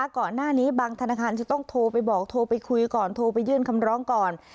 ก่อนหน้านี้บางธนาคารจะต้องโทรไปบอกโทรไปคุยก่อนโทรไปยื่นคำร้องก่อน